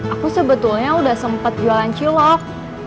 aku sebetulnya udah sempat jualan cilok